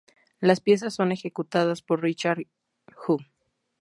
Las piezas son ejecutadas por Richard Joo.